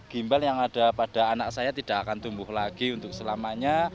gimbal yang ada pada anak saya tidak akan tumbuh lagi untuk selamanya